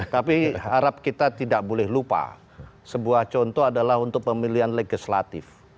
tapi harap kita tidak boleh lupa sebuah contoh adalah untuk pemilihan legislatif